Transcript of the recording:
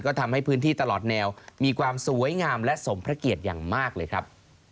ก็ทำให้พื้นที่ตลอดแนวมีความสวยงามและสมพระเกียรติอย่างมากเลยครับ